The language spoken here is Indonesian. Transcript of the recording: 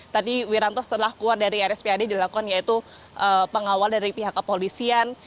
tadi wiranto setelah keluar dari rspad dilakukan yaitu pengawal dari pihak kepolisian